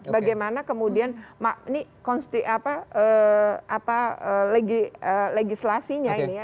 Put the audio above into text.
bagaimana kemudian ini konsti apa legislasinya ini ya